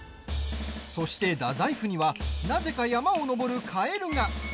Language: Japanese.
そして、大宰府にはなぜか山を登るカエルが！